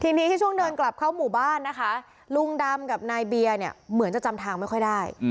ทีนี้ที่ช่วงเดินกลับเข้าหมู่บ้านนะคะลุงดำกับนายเบียร์เนี่ยเหมือนจะจำทางไม่ค่อยได้